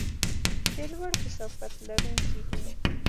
د لوړ کثافت لرونکي دي.